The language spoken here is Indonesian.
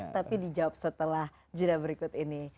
tapi dijawab setelah jeda berikut ini